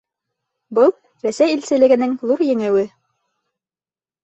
Был — Рәсәй илселегенең ҙур еңеүе.